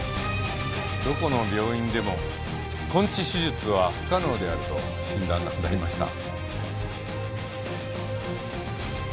どこの病院でも根治手術は不可能であると診断が下りました。